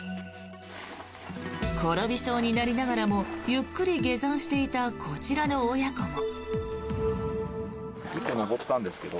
転びそうになりながらもゆっくり下山していたこちらの親子も。